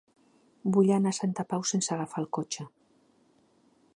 Vull anar a Santa Pau sense agafar el cotxe.